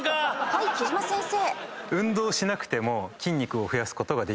はい木島先生。